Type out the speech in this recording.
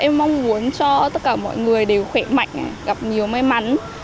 em mong muốn cho tất cả mọi người đều khỏe mạnh gặp nhiều may mắn